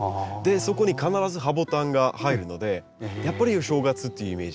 そこに必ずハボタンが入るのでやっぱりお正月っていうイメージがありますね。